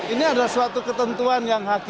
ini adalah suatu ketentuan yang hakim